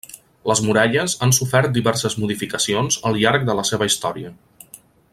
Les muralles han sofert diverses modificacions al llarg de la seva història.